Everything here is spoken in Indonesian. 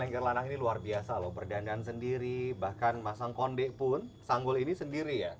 angger lanak ini luar biasa loh berdandan sendiri bahkan masang kondek pun sanggul ini sendiri ya